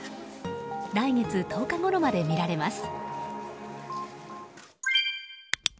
来月１０日ごろまで見られます。